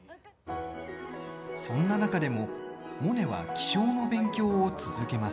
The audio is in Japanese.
そんな中でもモネは気象の勉強を続けます。